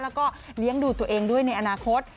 แล้วก็เลี้ยงดูตัวเองด้วยในอนาคต